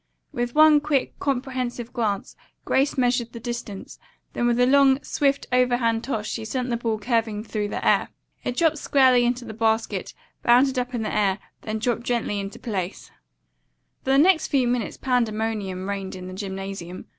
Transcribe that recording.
With one quick, comprehensive glance, Grace measured the distance, then with a long, swift overhand toss she sent the ball curving through the air. It dropped squarely into the basket, bounded up in the air, then dropped gently into place. [Illustration: Grace Measured the Distance.] For the next few minutes pandemonium reigned in the gymnasium.